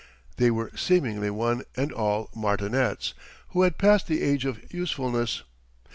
They were seemingly one and all martinets who had passed the age of usefulness.